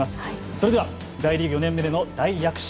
それでは大リーグ４年目での大躍進。